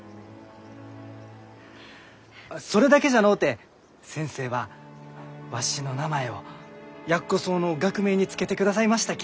それだけじゃのうて先生はわしの名前をヤッコソウの学名に付けてくださいましたき。